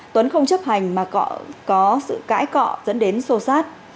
tuấn không chấp hành mà có sự cãi cọ dẫn đến sô sát